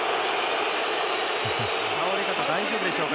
倒れ方、大丈夫でしょうか。